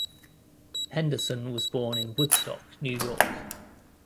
Henderson was born in Woodstock, New York.